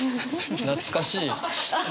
懐かしい。